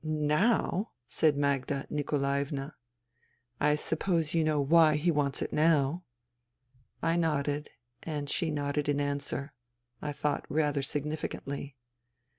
" Now,'* said Magda Nikolaevna. " I suppose you know why he wants it now ?" I nodded, and she nodded in answer — I thought rather significantly.